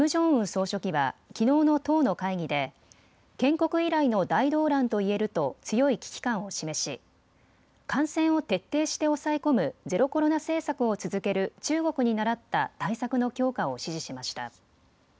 総書記はきのうの党の会議で建国以来の大動乱といえると強い危機感を示し感染を徹底して抑え込むゼロコロナ政策を続ける中国にならった対策の強化を指示しました。